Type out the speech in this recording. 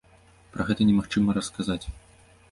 Пра гэта немагчыма расказаць!